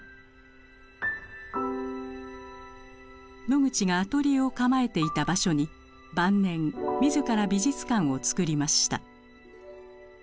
ノグチがアトリエを構えていた場所に晩年自ら美術館を作りました。